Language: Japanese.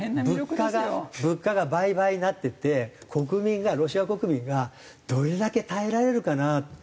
物価が物価が倍々になっていって国民がロシア国民がどれだけ耐えられるかな。